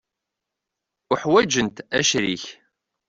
Uḥwaǧent acrik.